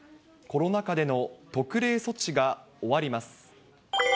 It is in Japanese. コロナ禍での特例措置が終わります。